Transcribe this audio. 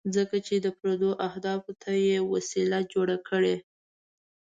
ځکه چې د پردو اهدافو ته یې وسیله جوړه کړې.